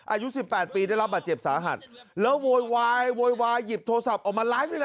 อายุสิบแปดปีได้รับบาดเจ็บสาหัสแล้วโวยวายโวยวายหยิบโทรศัพท์ออกมาไลฟ์ด้วยนะ